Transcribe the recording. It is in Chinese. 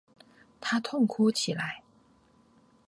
他痛哭起来